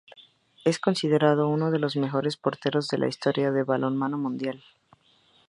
Es considerado uno de los mejores porteros en la historia del balonmano mundial.